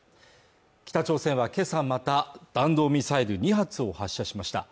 北朝鮮は今朝また弾道ミサイル２発を発射しました